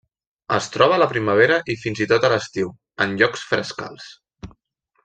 Es troba a la primavera i fins i tot a l'estiu, en llocs frescals.